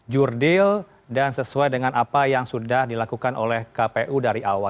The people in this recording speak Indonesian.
jurdil dan sesuai dengan apa yang sudah dilakukan oleh kpu dari awal